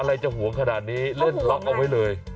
อะไรจะห่วงขนาดนี้เล่นล็อกเอาไว้เลย